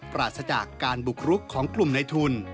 ปราศจากการบุกรุกของกลุ่มในทุน